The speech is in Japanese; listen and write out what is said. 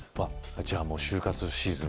じゃあもう就活シーズン